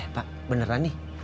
pak beneran nih